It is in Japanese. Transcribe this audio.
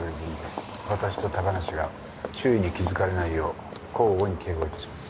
「私と高梨が周囲に気づかれないよう交互に警護致します。